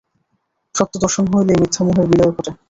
সত্য-দর্শন হইলেই মিথ্যা মোহের বিলয় ঘটে।